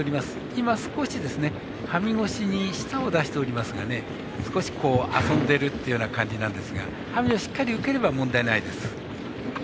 今、少し馬銜越しに舌を出しておりますが少し少し遊んでるっていう感じなんですが馬銜をしっかり受ければ問題ないです。